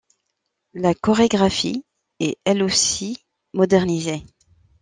La chorégraphie est elle aussi modernisée.